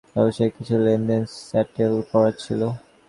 ব্যবসায়ীক কিছু লেনদেন স্যাটেল করার ছিল।